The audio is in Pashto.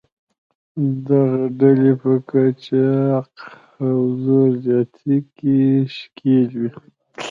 دغه ډلې په قاچاق او زور زیاتي کې ښکېل وې.